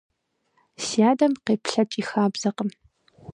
Си адэм къеплъэкӀ и хабзэкъым.